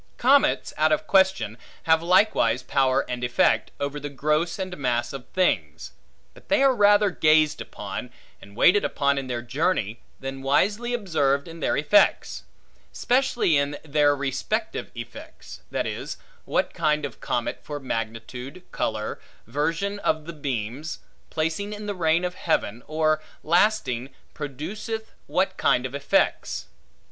Comets, out of question, have likewise power and effect, over the gross and mass of things; but they are rather gazed upon, and waited upon in their journey, than wisely observed in their effects; specially in, their respective effects; that is, what kind of comet, for magnitude, color, version of the beams, placing in the reign of heaven, or lasting, produceth what kind of effects.